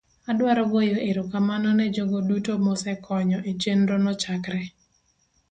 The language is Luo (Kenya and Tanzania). adwaro goyo erokamano ne jogo duto mosekonyo e chenrono chakre